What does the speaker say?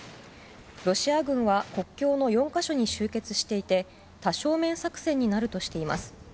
ロシア軍は国境の４か所に集結していて多正面作戦になるとしています。